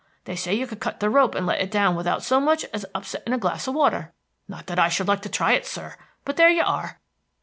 They say you could cut the rope and let it down without so much as upsetting a glass of water. Not that I should like to try it, sir, but there you are."